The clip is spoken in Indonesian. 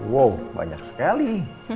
wow banyak sekali